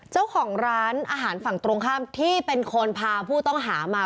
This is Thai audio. เจ้าของร้านอาหารฝั่งตรงข้ามที่เป็นคนพาผู้ต้องหามา